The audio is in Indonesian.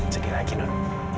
sedih lagi nur